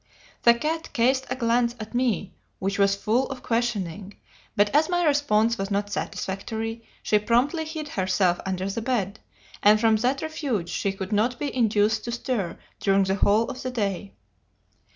The cat cast a glance at me which was full of questioning, but as my response was not satisfactory, she promptly hid herself under the bed, and from that refuge she could not be induced to stir during the whole of the day.